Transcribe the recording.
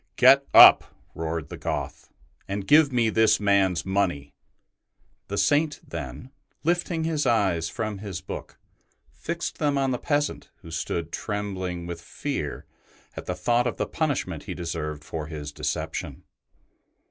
'' Get up/' roared the Goth, '* and give me this man's money." The Saint, then, lifting his e^^es from his book, fixed them on the peasant, who stood trembling with fear at the thought of the punishment he deserved for his deception.